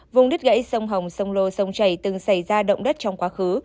vùng đất gãy sông hồng sông lô sông chảy từng xảy ra động đất trong quá khứ